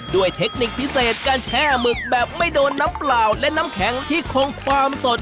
เทคนิคพิเศษการแช่หมึกแบบไม่โดนน้ำเปล่าและน้ำแข็งที่คงความสด